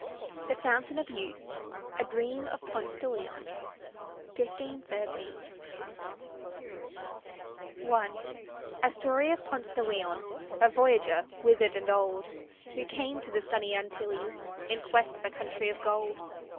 THE FOUNTAIN OF YOUTH A DREAM OF PONCE DE LEON I A story of Ponce de Leon, A voyager, withered and old, Who came to the sunny Antilles, In quest of a country of gold.